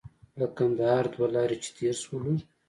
له کندهار دوه لارې چې تېر شولو.